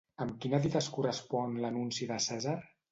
Amb quina dita es correspon l'anunci de Cèsar?